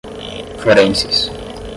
forenses